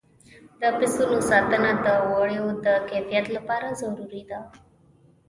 د پسونو ساتنه د وړیو د کیفیت لپاره ضروري ده.